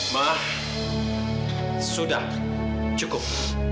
ma sudah cukup